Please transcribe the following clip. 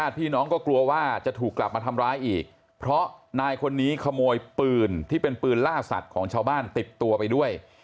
พี่น้องก็กลัวว่าจะถูกกลับมาทำร้ายอีกเพราะนายคนนี้ขโมยปืนที่เป็นปืนล่าสัตว์ของชาวบ้านติดตัวไปด้วย